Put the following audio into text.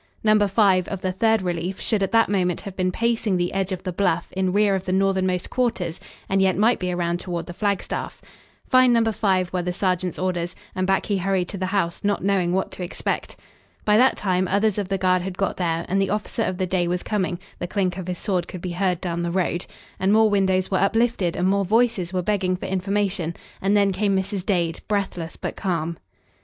Number 5, of the third relief, should at that moment have been pacing the edge of the bluff in rear of the northernmost quarters, and yet might be around toward the flagstaff. "Find Number 5," were the sergeant's orders, and back he hurried to the house, not knowing what to expect. By that time others of the guard had got there and the officer of the day was coming, the clink of his sword could be heard down the road, and more windows were uplifted and more voices were begging for information, and then came Mrs. Dade, breathless but calm.